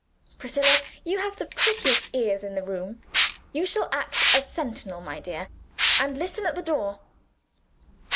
Priscilla, you have the prettiest ears in the room. You shall act as sentinel, my dear, and listen at the door.